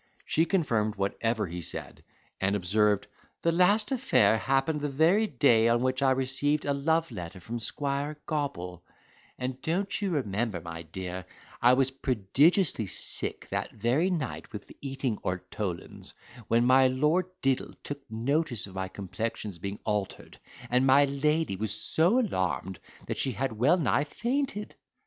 She confirmed whatever he said, and observed, "The last affair happened that very day on which I received a love letter from Squire Gobble, and don't you remember, my dear, I was prodigiously sick that very night with eating ortolans, when my Lord Diddle took notice of my complexion's being altered, and my lady was so alarmed that she had well nigh fainted?"